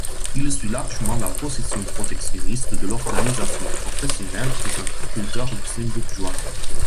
Il suit largement la position protectionniste de l’organisation professionnelle des agriculteurs luxembourgeois.